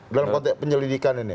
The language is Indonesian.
dalam konteks penyelidikan ini